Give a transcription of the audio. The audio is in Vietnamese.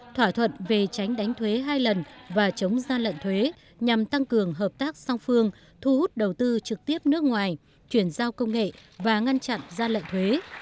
thỏa thuận về tránh đánh thuế hai lần và chống gian lận thuế nhằm tăng cường hợp tác song phương thu hút đầu tư trực tiếp nước ngoài chuyển giao công nghệ và ngăn chặn gian lận thuế